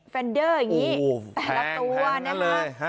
แฟนเดอร์อย่างนี้แพงนั่นเลย